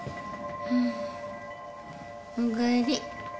おかえり。